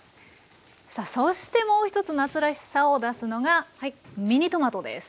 さあそしてもう一つ夏らしさを出すのがミニトマトです。